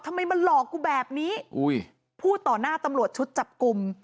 ทำไมมาหลอกกูแบบนี้อุ้ยพูดต่อหน้าตำรวจชุดจับกลุ่ม